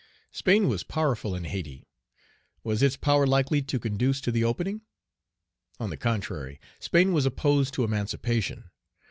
Spain was powerful in Hayti; was its power likely to conduce to the opening? On the contrary, Spain was opposed to emancipation.